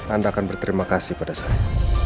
anda akan berterima kasih pada saya